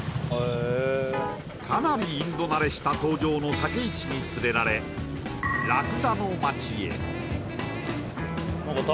かなりインド慣れした登場の武市に連れられどこ？